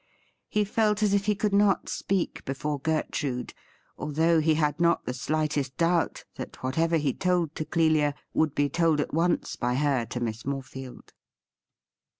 He felt as if he could not speak before Gertrude, although he had not the slightest doubt that whatever he told to Clelia would be told at once by her to Miss Morefield.